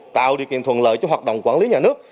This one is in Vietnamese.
tạo điều kiện thuận lợi cho hoạt động quản lý nhà nước